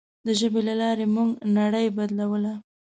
د ژبې له لارې موږ نړۍ بدلوله.